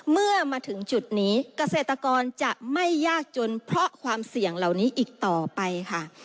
เมื่อมาถึงจุดนี้เกษตรกรจะไม่ยากจนเพราะความเสี่ยงเหล่านี้อีกต่อไปค่ะ